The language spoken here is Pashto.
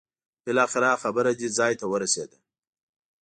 بالاخره خبره دې ځای ورسېده.